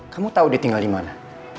kamu tau dia tinggal dimana